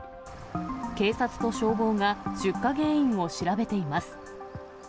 警察と消防が、出火原因を調べています。